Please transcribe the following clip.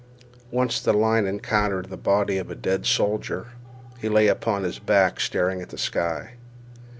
Once the line encountered the body of a dead soldier. He lay upon his back staring at the sky.